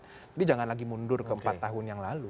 tapi jangan lagi mundur ke empat tahun yang lalu